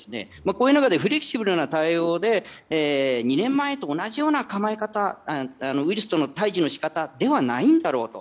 こういう中でフレキシブルな対応で２年前と同じような構え方ウイルスとの対峙の仕方ではないんだろうと。